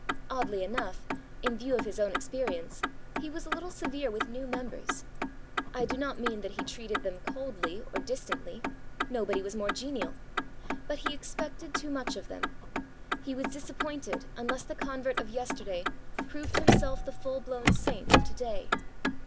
Oddly enough, in view of his own experience, he was a little severe with new members. I do not mean that he treated them coldly or distantly; nobody was more genial. But he expected too much of them. He was disappointed unless the convert of yesterday proved himself the full blown saint of to day.